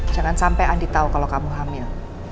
jangan sampai andi tahu kalau kamu hamil